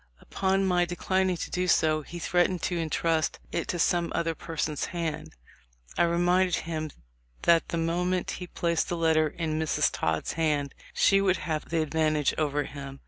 Upon my declining to do so he threatened to intrust it to some other person's hand. I reminded him that the moment he placed the letter in Miss Todd's hand, she would have the advantage over him.